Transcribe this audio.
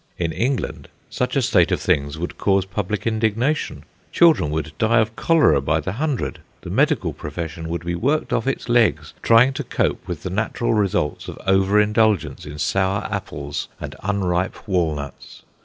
In England such a state of things would cause public indignation. Children would die of cholera by the hundred. The medical profession would be worked off its legs trying to cope with the natural results of over indulgence in sour apples and unripe walnuts.